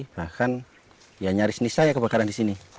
bahkan ya nyaris nisah ya kebakaran di sini